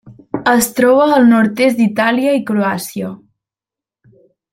Es troba al nord-est d'Itàlia i Croàcia.